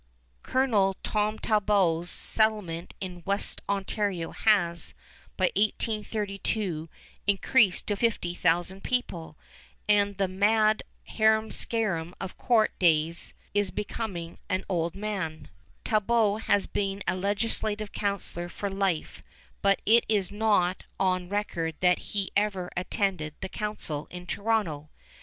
Colonel Tom Talbot's settlement in West Ontario has, by 1832, increased to 50,000 people, and the mad harum scarum of court days is becoming an old man. Talbot has been a legislative councilor for life, but it is not on record that he ever attended the council in Toronto.